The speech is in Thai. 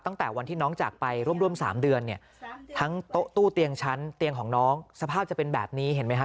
ตั้งแต่วันที่น้องจากไปร่วม๓เดือนเนี่ยทั้งโต๊ะตู้เตียงชั้นเตียงของน้องสภาพจะเป็นแบบนี้เห็นไหมครับ